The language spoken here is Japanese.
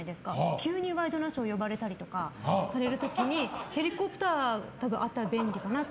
急に「ワイドナショー」に呼ばれたりとかヘリコプターあったら便利かなって。